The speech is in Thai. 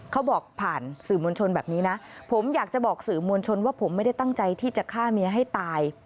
เขาบอกผ่านสื่อมวลชนแบบนี้นะผมอยากจะบอกสื่อมวลชนว่าผมไม่ได้ตั้งใจที่จะฆ่าเมียให้ตาย